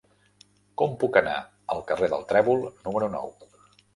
Com puc anar al carrer del Trèvol número nou?